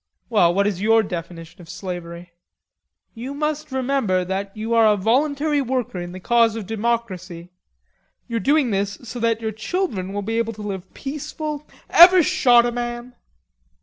"Well, what is your definition of slavery?" "You must remember that you are a voluntary worker in the cause of democracy.... You're doing this so that your children will be able to live peaceful...." "Ever shot a man?"